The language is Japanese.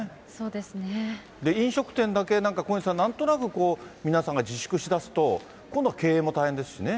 飲食店だけ、なんか、小西さん、なんとなく皆さんが自粛しだすと、今度は経営も大変ですしね。